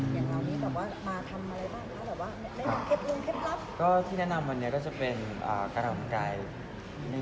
อย่างเรานี้แบบว่ามาทำอะไรบ้างค่อยไม่เฉพหรับการอากาศกายแรงก็จะเป็นการอากาศกาย